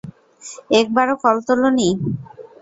একবারও কল তুলো নি।